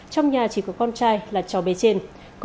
trong nhà chỉ có con trai là cháu bé trên